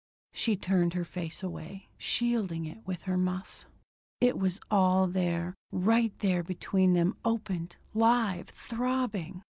She turned her face away, shielding it with her muff. It was all there right there between them opened, live, throbbing.